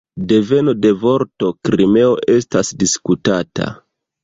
Deveno de vorto "Krimeo" estas diskutata.